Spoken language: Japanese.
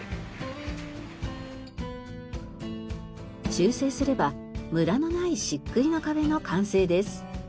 修正すればムラのない漆喰の壁の完成です。